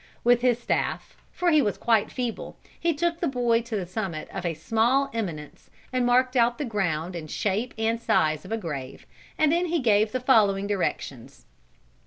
With his staff for he was quite feeble he took the boy to the summit of a small eminence and marked out the ground in shape and size of a grave, and then gave the following directions.